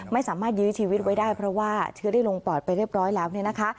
ไม่สามารถยื้อชีวิตไว้ได้เพราะว่าเชื้อได้ลงปอดไปเรียบร้อยแล้วเนี่ยนะคะ